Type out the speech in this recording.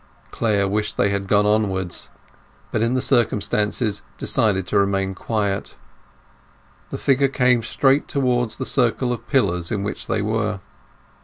Clare wished they had gone onward, but in the circumstances decided to remain quiet. The figure came straight towards the circle of pillars in which they were.